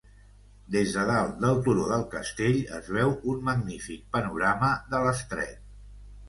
Des de dalt del turó del castell es veu un magnífic panorama de l'estret.